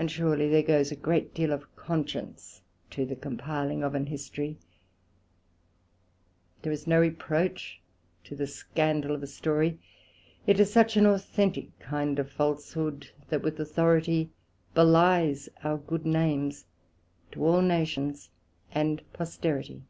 And surely there goes a great deal of Conscience to the compiling of an History: there is no reproach to the scandal of a Story; it is such an authentick kind of falshood, that with authority belies our good names to all Nations and Posterity.